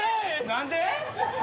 何で！？